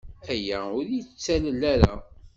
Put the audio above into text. Aya ur k-yettalel ara.